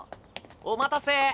お待たせ。